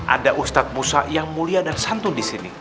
ada ustadz musa yang mulia dan santun di sini